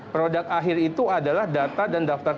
produk akhir itu adalah data dan daftar